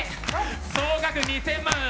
総額２０００万。